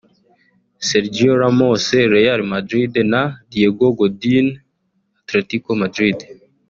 Sergio Ramos (Real Madrid) na Diego Godin (Athletico Madrid)